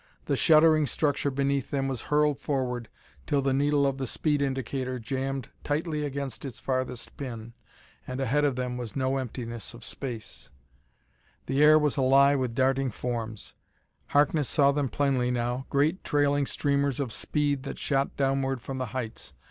The shuddering structure beneath them was hurled forward till the needle of the speed indicator jammed tightly against its farthest pin. And ahead of them was no emptiness of space. The air was alive with darting forms. Harkness saw them plainly now great trailing streamers of speed that shot downward from the heights.